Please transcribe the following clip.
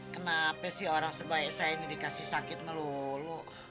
kenapa sih orang sebaik saya ini dikasih sakit melulu